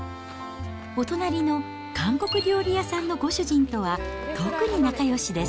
お隣の韓国料理屋さんのご主人とは特に仲よしです。